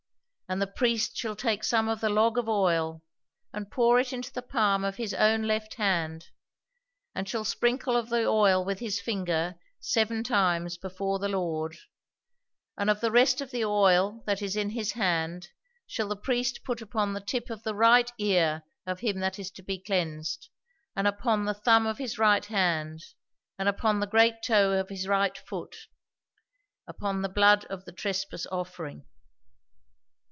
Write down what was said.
And the priest shall take some of the log of oil, and pour it into the palm of his own left hand, and shall sprinkle of the oil with his finger seven times before the Lord: and of the rest of the oil that is in his hand shall the priest put upon the tip of the right ear of him that is to be cleansed, and upon the thumb of his right hand, and upon the great toe of his right foot, upon the blood of the trespass offering.'"